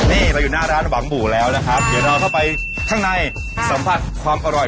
นี่เราอยู่หน้าร้านหวังบู่แล้วนะครับเดี๋ยวเราเข้าไปข้างในสัมผัสความอร่อย